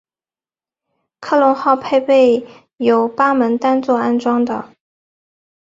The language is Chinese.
科隆号配备有八门单座安装的。